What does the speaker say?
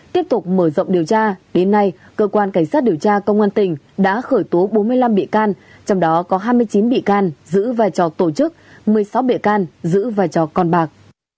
tiếp tục mở rộng điều tra đến nay cơ quan cảnh sát điều tra công an tỉnh đã khởi tố bốn mươi năm bị can trong đó có hai mươi chín bị can giữ vai trò tổ chức một mươi sáu bị can giữ vai trò con bạc